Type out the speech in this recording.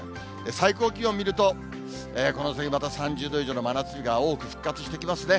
最高気温見ると、この先、また３０度以上の真夏日が多く復活してきますね。